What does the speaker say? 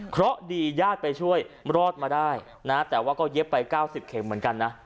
เพราะดีญาติไปช่วยรอดมาได้นะแต่ว่าก็เย็บไป๙๐เข็มเหมือนกันนะ